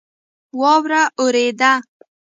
واوره اوورېده